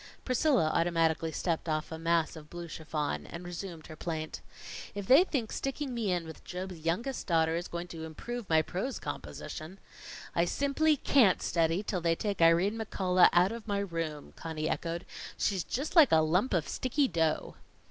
Priscilla automatically stepped off a mass of blue chiffon, and resumed her plaint. "If they think sticking me in with Job's youngest daughter is going to improve my prose composition " "I simply can't study till they take Irene McCullough out of my room," Conny echoed. "She's just like a lump of sticky dough."